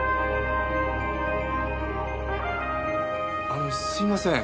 あのすいません。